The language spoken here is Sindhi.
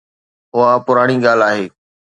اها پراڻي ڳالهه آهي.